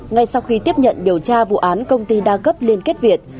ngay sau khi tiếp nhận điều tra vụ án công ty đa cấp liên kết việt